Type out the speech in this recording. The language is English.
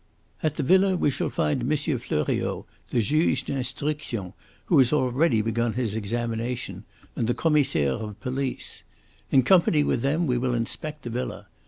At the villa we shall find Monsieur Fleuriot, the Juge d'instruction, who has already begun his examination, and the Commissaire of Police. In company with them we will inspect the villa.